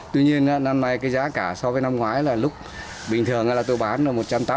tuy nhiên năm nay cái giá cả so với năm ngoái là lúc bình thường là tôi bán là một trăm tám mươi